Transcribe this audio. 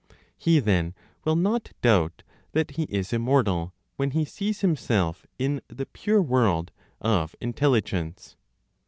He then will not doubt that he is immortal, when he sees himself in the pure world of intelligence.